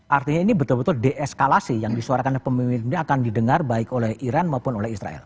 artinya ini betul betul deeskalasi yang disuarakan pemimpin dunia akan didengar baik oleh iran maupun oleh israel